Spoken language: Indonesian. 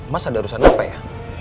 mas ada urusan apa ya